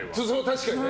確かにね。